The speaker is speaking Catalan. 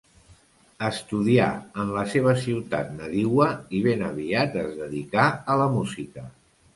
Estudià en la seva ciutat nadiua i ben aviat es dedicà a la música.